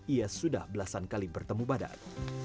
ia sudah belasan kali bertemu badak